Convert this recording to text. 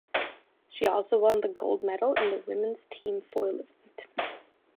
She also won the gold medal in the women’s team foil event.